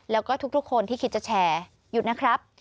แล้วก็ทุกคนที่คิดจะแชร์หยุดนะครับ